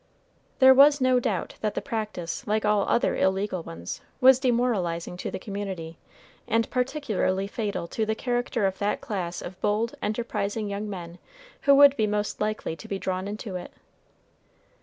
There was no doubt that the practice, like all other illegal ones, was demoralizing to the community, and particularly fatal to the character of that class of bold, enterprising young men who would be most likely to be drawn into it.